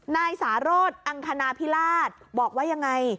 นายสารสอังคณาพิราชบอกว่ายังไง